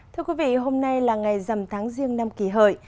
thưa quý vị hôm nay là ngày dầm tháng riêng năm kỳ hợi